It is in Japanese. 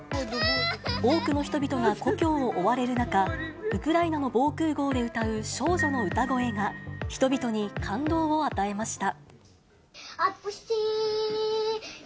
多くの人々が故郷を追われる中、ウクライナの防空ごうで歌う少女の歌声が、人々に感動を与えました。